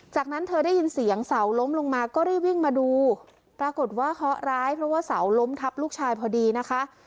จากนั้นเธอได้ยินเสียงเสาล้มลงมาก็รีบวิ่งมาดูปรากฏว่าเคาะร้ายเพราะว่าเสาล้มทับลูกชายพอดีนะคะ